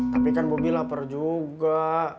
tapi kan bobi lapar juga